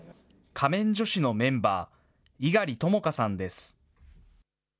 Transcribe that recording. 仮面女子のメンバー、猪狩ともかさんです。